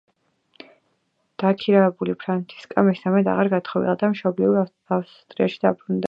დაქვრივებული ფრანცისკა მესამედ აღარ გათხოვილა და მშობლიურ ავსტრიაში დაბრუნდა.